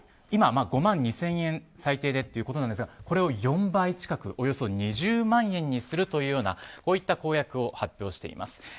今、５万２０００円最低でということですがこれを４倍近いおよそ２０万円にするというこういった公約を発表しています。